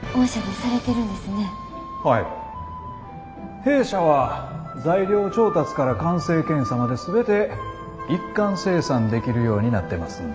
弊社は材料調達から完成検査まで全て一貫生産できるようになってますんで。